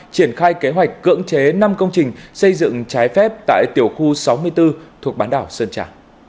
triển khai kế hoạch cưỡng chế năm công trình xây dựng trái phép tại tiểu khu sáu mươi bốn thuộc bán đảo sơn trà